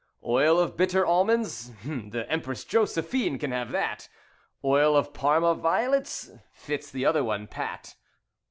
'Oil of Bitter Almonds' the Empress Josephine can have that. 'Oil of Parma Violets' fits the other one pat."